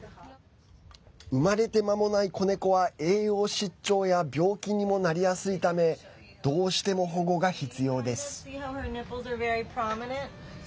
生まれて間もない子猫は栄養失調や病気にもなりやすいためどうしても保護が必要です。